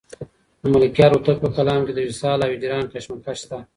د ملکیار هوتک په کلام کې د وصال او هجران کشمکش شته.